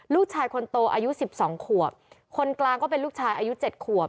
ลูกชายคนโตอายุสิบสองขวบคนกลางก็เป็นลูกชายอายุเจ็ดขวบ